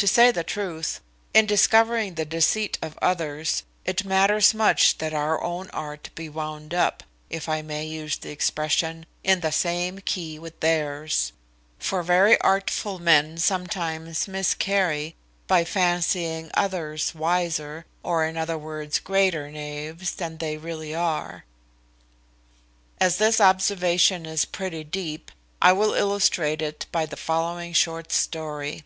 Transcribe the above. To say the truth, in discovering the deceit of others, it matters much that our own art be wound up, if I may use the expression, in the same key with theirs: for very artful men sometimes miscarry by fancying others wiser, or, in other words, greater knaves, than they really are. As this observation is pretty deep, I will illustrate it by the following short story.